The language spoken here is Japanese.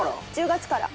１０月から。